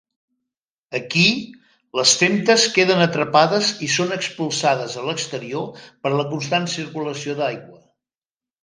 Aquí, les femtes queden atrapades i són expulsades a l'exterior per la constant circulació d'aigua.